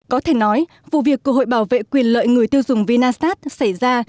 có thể nói vụ việc của hội bảo vệ quyền lợi người tiêu dùng vinasat xảy ra